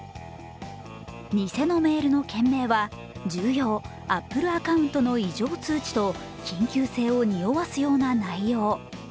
偽のメールの件名は「重要Ａｐｐｌｅ アカウントの異常通知」と緊急性をにおわすような内容。